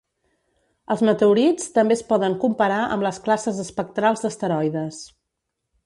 Els meteorits també es poden comparar amb les classes espectrals d'asteroides.